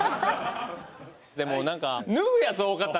でも何か脱ぐやつ多かったな。